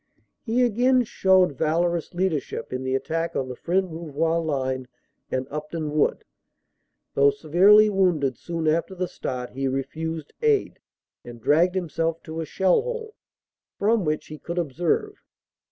He again showed valorous leadership in the attack on the Fresnes Rouvroy line and Upton Wood. Though severely wounded soon after the start, he refused aid, 138 CANADA S HUNDRED DAYS and dragged himself to a shell hole, from which he could observe.